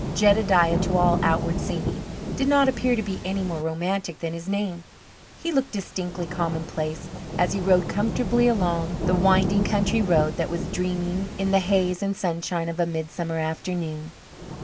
Jedediah, to all outward seeming, did not appear to be any more romantic than his name. He looked distinctly commonplace as he rode comfortably along the winding country road that was dreaming in the haze and sunshine of a midsummer afternoon.